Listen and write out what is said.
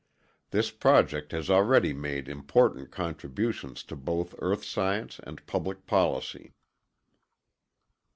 This project has already made important contributions to both earth science and public policy.